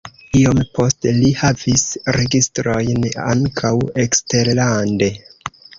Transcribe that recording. Iom poste li havis registrojn ankaŭ eksterlande.